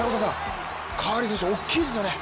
カーリー選手、大きいですよね。